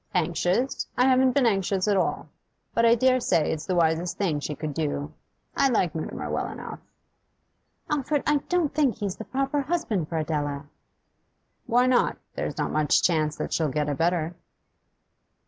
'Anxious? I haven't been anxious at all. But I dare say it's the wisest thing she could do. I like Mutimer well enough.' 'Alfred, I don't think he's the proper husband for Adela.' 'Why not? There's not much chance that she'll get a better.